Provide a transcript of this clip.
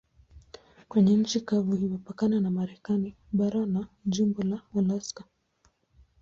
Kwenye nchi kavu imepakana na Marekani bara na jimbo la Alaska.